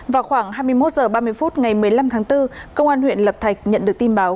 vào khoảng hai mươi một h ba mươi phút ngày một mươi năm tháng bốn công an huyện lập thạch nhận được tin báo